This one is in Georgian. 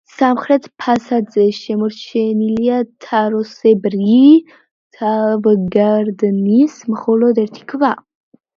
სამხრეთ ფასადზე შემორჩენილია თაროსებრი ლავგარდნის მხოლოდ ერთი ქვა.